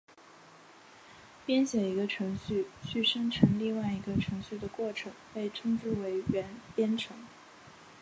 编写一个程序去生成另外一个程序的过程被称之为元编程。